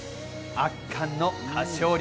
圧巻の歌唱力。